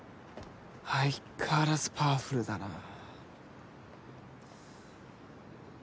相変わらずパワフルだなぁ。